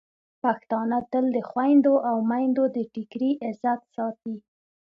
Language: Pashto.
پښتانه تل د خویندو او میندو د ټکري عزت ساتي.